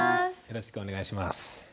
よろしくお願いします。